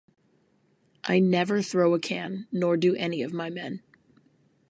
I never throw a can nor do any of my men.